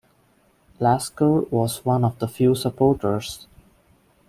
Lasker was one of the few supporters.